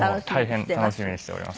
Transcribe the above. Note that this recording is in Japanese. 大変楽しみにしております。